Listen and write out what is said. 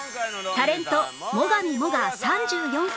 タレント最上もが３４歳